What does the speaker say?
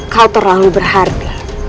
kau terlalu berharti